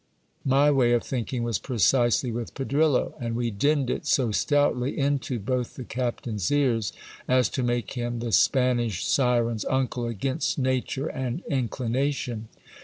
My way of thinking was precisely with Pedrillo ; and we dinned it so stoutly into both the captain's ears, as to make him the Spanish Syren's uncle against 26o GIL BLAS. nature and inclination.